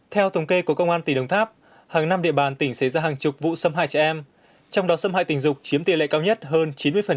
theo tổng kê của công an tỉnh đồng tháp hàng năm địa bàn tỉnh xảy ra hàng chục vụ xâm hại trẻ em trong đó xâm hại tình dục chiếm tỷ lệ cao nhất hơn chín mươi